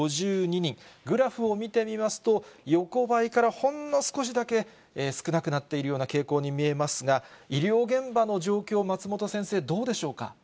グラフを見てみますと、横ばいからほんの少しだけ少なくなっているような傾向に見えますが、医療現場の状況、松本先生、どうでしょうか。